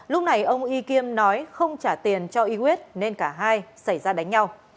lúc này ông y kim nói không trả tiền cho y quyết nên cả hai xảy ra đánh nhau